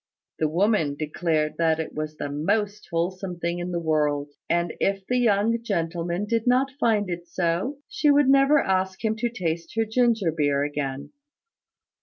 The woman declared that it was the most wholesome thing in the world; and if the young gentleman did not find it so, she would never ask him to taste her ginger beer again.